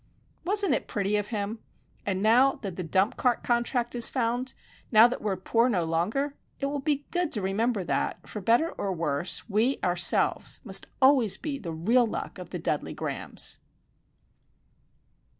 Wasn't it pretty of him? And now that the Dump Cart Contract is found, now that we are poor no longer, it will be good to remember that, for better or worse, we, ourselves, must always be the real luck of the Dudley Grahams.